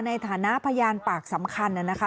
ในฐานะพยานปากสำคัญนะคะ